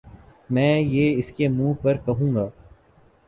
میں یہ اسکے منہ پر کہوں گا